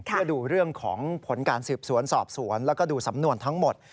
เพื่อดูเรื่องของผลการสืบสวนสอบสวนแล้วก็ดูสำนวนทั้งหมด